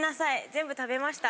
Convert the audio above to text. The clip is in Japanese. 全部食べました。